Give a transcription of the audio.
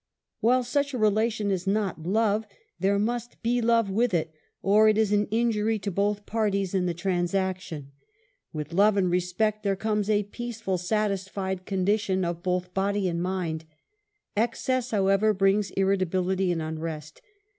While such a relation is not love^ there must be love with it, or it is an injury to both parties in the trans EQUALITY. 11 action ; with love and respect there comes a peaceful satisfied condition of both body and mind. Excess, however, brings irritability and unrest.